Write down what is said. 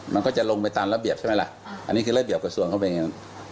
มันก็จะลงไปตามระเบียบใช่ไหมล่ะอันนี้คือระเบียบกระทรวงเขาเป็นอย่างนั้น